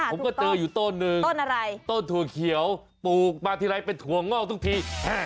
ผมก็เจออยู่ต้นหนึ่งต้นอะไรต้นถั่วเขียวปลูกมาทีไรเป็นถั่วงอกทุกที